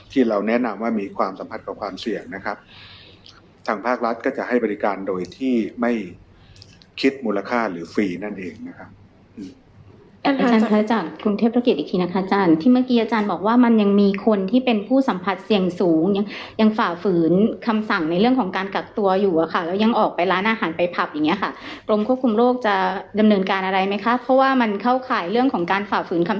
ครับอาจารย์พระอาจารย์คุณเทพธรรมกิจอีกทีนะคะอาจารย์ที่เมื่อกี้อาจารย์บอกว่ามันยังมีคนที่เป็นผู้สัมผัสเสี่ยงสูงยังยังฝ่าฝืนคำสั่งในเรื่องของการกักตัวอยู่อะค่ะแล้วยังออกไปร้านอาหารไปผับอย่างเงี้ยค่ะกรมควบคุมโลกจะดำเนินการอะไรไหมค่ะเพราะว่ามันเข้าข่ายเรื่องของการฝ่าฝืนค